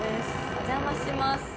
お邪魔します。